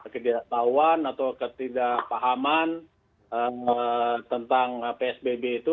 ketidaktahuan atau ketidakpahaman tentang psbb itu